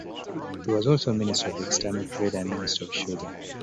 He was also Minister for External Trade and Minister for Sugar.